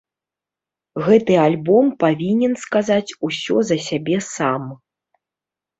Гэты альбом павінен сказаць усё за сябе сам.